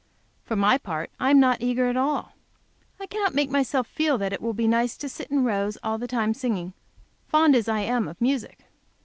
For my part, I am not eager at all. I can't make myself feel that it will be nice to sit in rows, all the time singing, fond as I am of music.